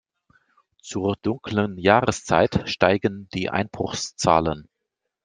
Zur dunklen Jahreszeit steigen die Einbruchszahlen.